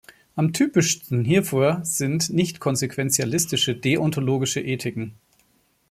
Am typischsten hierfür sind nicht-konsequentialistische deontologische Ethiken.